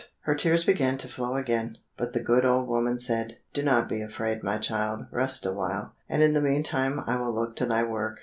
Her tears began to flow again, but the good old woman said, "Do not be afraid, my child; rest a while, and in the meantime I will look to thy work."